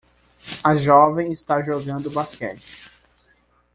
A jovem está jogando basquete.